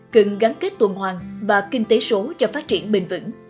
cần gắn kết tuần hoàng và kinh tế số cho phát triển bền vững